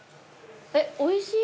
えっおいしい。